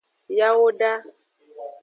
Yawoda.